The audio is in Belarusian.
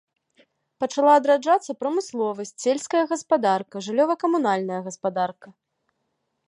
Пачала адраджацца прамысловасць, сельская гаспадарка, жыллёва-камунальная гаспадарка.